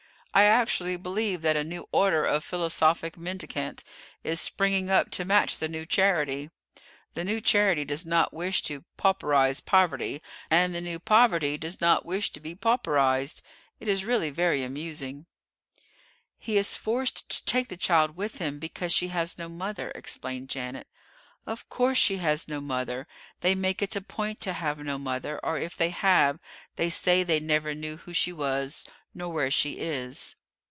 I actually believe that a new order of philosophic mendicant is springing up to match the new charity. The new charity does not wish to pauperise poverty, and the new poverty does not wish to be pauperised; it is really very amusing." "He is forced to take the child with him, because she has no mother," explained Janet. "Of course she has no mother; they make it a point to have no mother, or, if they have, they say they never knew who she was nor where she is."